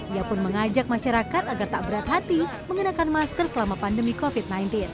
ia pun mengajak masyarakat agar tak berat hati mengenakan masker selama pandemi covid sembilan belas